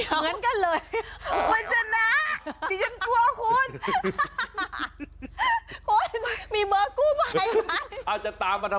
เหมือนกันเลย